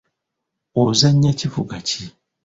Ozannya kivuga ki?